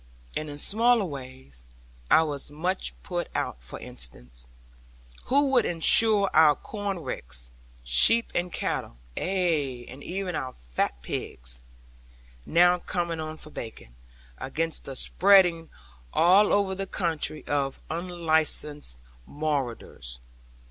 And in smaller ways, I was much put out; for instance, who would ensure our corn ricks, sheep, and cattle, ay, and even our fat pigs, now coming on for bacon, against the spreading all over the country of unlicensed marauders?